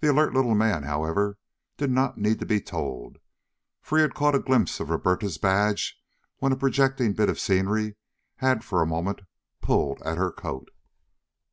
The alert little man, however, did not need to be told, for he had caught a glimpse of Roberta's badge when a projecting bit of scenery had for a moment pulled at her coat.